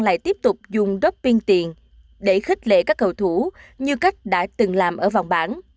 lại tiếp tục dùng đất pin tiền để khích lệ các cầu thủ như cách đã từng làm ở vòng bản